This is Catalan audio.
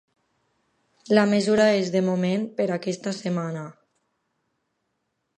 La mesura és, de moment, per aquesta setmana.